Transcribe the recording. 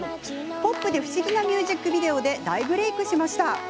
ポップで不思議なミュージックビデオで大ブレークしました。